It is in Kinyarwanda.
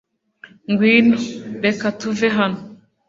Ngwino. Reka tuve hano